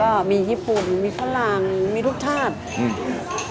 ก็มีญี่ปุ่นมีฝรั่งมีทุกชาติอืม